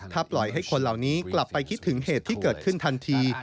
ถ้าปล่อยให้คนเหล่านี้กลับไปคิดถึงเหตุที่เกิดขึ้นทันที